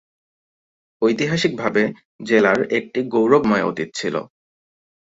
ঐতিহাসিকভাবে, জেলার একটি গৌরবময় অতীত ছিল।